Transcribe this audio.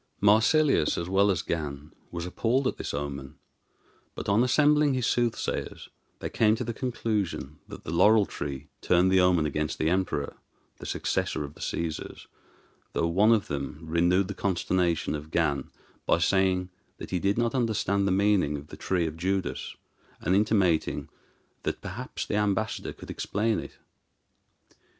Marsilius, as well as Gan, was appalled at this omen; but on assembling his soothsayers they came to the conclusion that the laurel tree turned the omen against the Emperor, the successor of the Caesars, though one of them renewed the consternation of Gan by saying that he did not understand the meaning of the tree of Judas, and intimating that perhaps the ambassador could explain it.